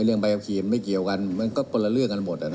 เรื่องบัยกรีมไม่เกี่ยวกันมันก็ปลอดภัยกันหมด